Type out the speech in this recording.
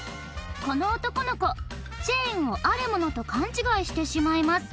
この男の子チェーンをあるものと勘違いしてしまいます